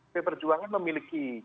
pdi perjuangan memiliki